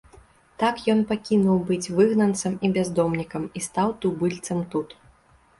Так ён пакінуў быць выгнанцам і бяздомнікам і стаў тубыльцам тут.